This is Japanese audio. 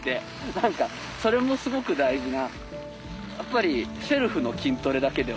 何かそれもすごく大事な。